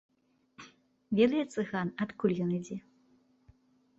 Ведае цыган, адкуль ён ідзе?